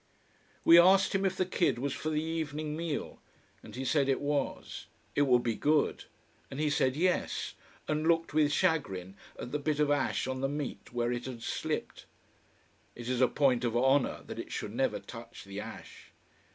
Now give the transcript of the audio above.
We asked him if the kid was for the evening meal and he said it was. It would be good! And he said yes, and looked with chagrin at the bit of ash on the meat, where it had slipped. It is a point of honour that it should never touch the ash.